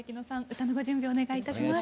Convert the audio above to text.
歌のご準備お願いいたします。